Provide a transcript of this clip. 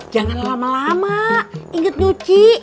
jangan lama lama ingat nyuci